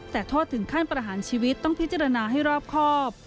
แต่โทษถึงขั้นประหารชีวิตต้องพิจารณาให้รอบครอบ